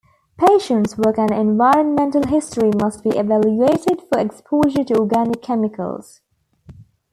Patients work and environmental history must be evaluated for exposure to organic chemicals.